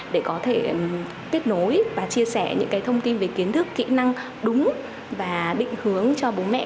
để có thể kết nối và chia sẻ những thông tin về kiến thức kỹ năng đúng và định hướng cho bố mẹ